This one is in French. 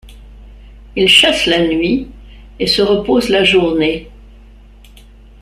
Il chasse la nuit et se repose la journée.